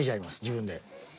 自分で。